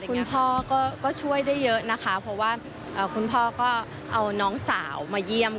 คุณพ่อก็ช่วยได้เยอะนะคะเพราะว่าคุณพ่อก็เอาน้องสาวมาเยี่ยม